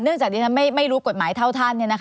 เนื่องจากที่ท่านไม่รู้กฎหมายเท่าท่าน